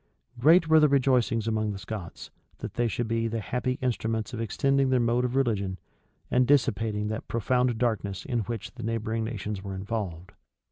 Great were the rejoicings among the Scots, that they should be the happy instruments of extending their mode of religion, and dissipating that profound darkness in which the neighboring nations were involved.